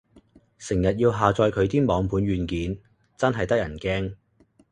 成日要下載佢啲網盤軟件，真係得人驚